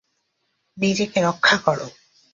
নিজেকে রক্ষা করো।